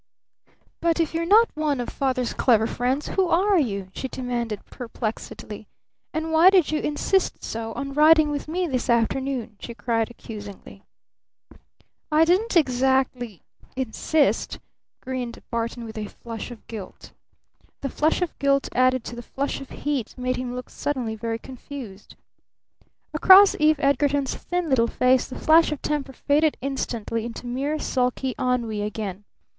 "But if you're not one of Father's clever friends who are you?" she demanded perplexedly. "And why did you insist so on riding with me this afternoon?" she cried accusingly. "I didn't exactly insist," grinned Barton with a flush of guilt. The flush of guilt added to the flush of heat made him look suddenly very confused. Across Eve Edgarton's thin little face the flash of temper faded instantly into mere sulky ennui again.